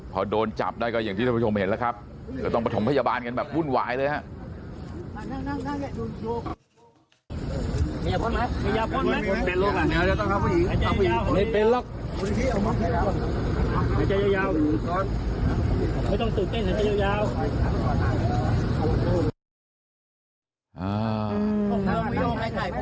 พอโดนจับได้ก็ต้องไปถ่อมพยาบาลกันแบบวุ่นวายเลยครับ